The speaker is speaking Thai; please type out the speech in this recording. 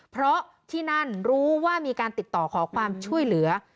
เพราะที่นั่นรู้ว่ามีการติดต่อขอความช่วยเหลือ